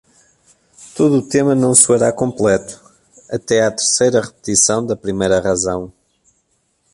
Todo o tema não soará completo até a terceira repetição da primeira razão.